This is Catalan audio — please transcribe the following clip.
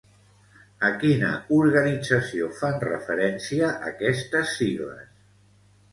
A quina organització fan referència aquestes sigles?